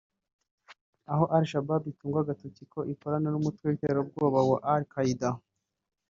aho Al-Shabab itungwa agatoki ko ikorana n’umutwe w’iterabwoba wa Al-Qaeda